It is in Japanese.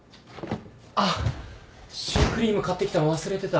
あっシュークリーム買ってきたの忘れてた。